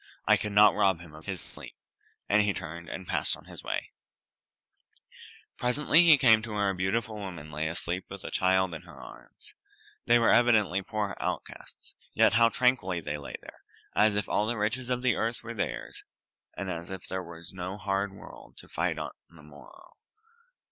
"I cannot rob him of his sleep," and turned and passed on his way. [Illustration: HE WENT FORTH INTO THE DAWN SLEEPLESS] Presently he came to where a beautiful woman lay asleep with a little child in her arms. They were evidently poor outcasts, yet how tranquilly they lay there, as if all the riches of the earth were theirs, and as if there was no hard world to fight on the morrow.